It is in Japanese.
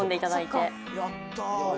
やった。